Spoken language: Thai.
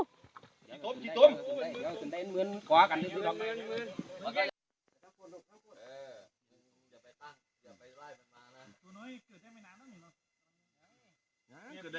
ก็ได้กินนะตัวใหญ่